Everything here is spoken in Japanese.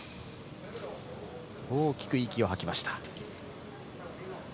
大きく息を吐きました。